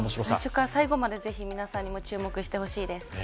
最初から最後までぜひ皆さんに注目してほしいです。